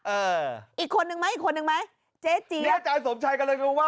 เอออีกคนนึงไหมอีกคนนึงไหมเจ๊เจี้๊ฟ